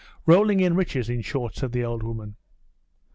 'Rolling in riches, in short,' said the old woman.